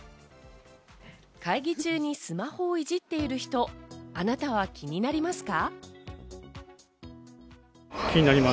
会議中にスマホをいじっている人、あなたは気になりますか？